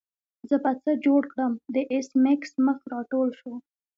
زه به څه جوړ کړم د ایس میکس مخ راټول شو